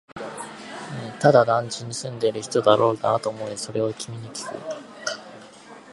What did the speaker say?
ただ、団地に住んでいる人だろうなとは思い、それを君にきく